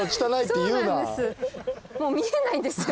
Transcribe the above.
もう見えないんですよ